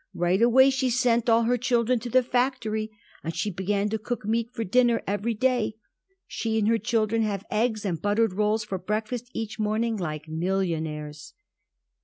"Right away she sent all her children to the factory, and she began to cook meat for dinner every day. She and her children have eggs and buttered rolls for breakfast each morning like millionaires."